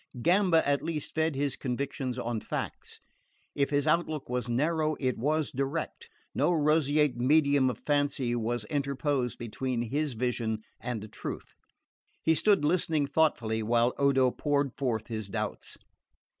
Gamba at least fed his convictions on facts. If his outlook was narrow it was direct: no roseate medium of fancy was interposed between his vision and the truth. He stood listening thoughtfully while Odo poured forth his doubts.